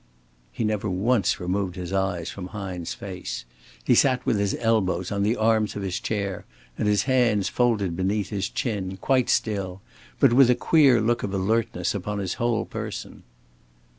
He never once removed his eyes from Hine's face. He sat with his elbows on the arms of his chair and his hands folded beneath his chin, quite still, but with a queer look of alertness upon his whole person.